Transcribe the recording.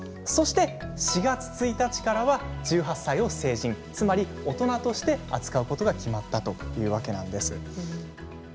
そして４月１日からは１８歳を成人つまり大人として扱うことが決まったというわけなんです。